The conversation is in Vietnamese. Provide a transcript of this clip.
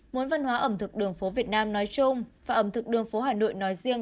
muốn văn hóa ẩm thực đường phố việt nam nói chung và ẩm thực đường phố hà nội nói riêng